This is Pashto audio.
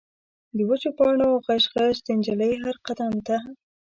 د وچو پاڼو غژ، غژ، د نجلۍ هر قدم ته